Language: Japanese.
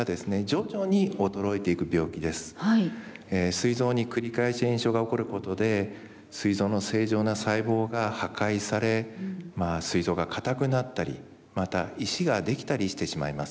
すい臓に繰り返し炎症が起こることですい臓の正常な細胞が破壊されまあすい臓が硬くなったりまた石が出来たりしてしまいます。